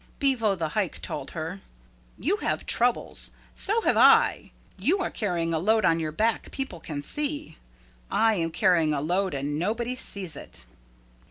Bevo the Hike told her, "You have troubles. So have I. You are carrying a load on your back people can see. I am carrying a load and nobody sees it."